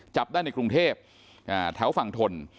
จับได้ในกรุงเทพแถวฝั่งทน